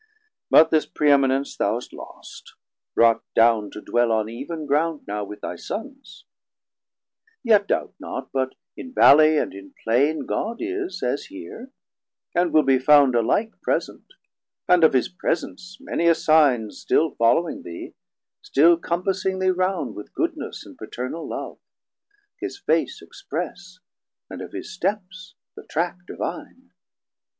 But this praeeminence thou hast lost, brought down To dwell on eeven ground now with thy Sons: Yet doubt not but in Vallie and in Plaine God is as here, and will be found alike 350 Present, and of his presence many a signe Still following thee, still compassing thee round With goodness and paternal Love, his Face Express, and of his steps the track Divine.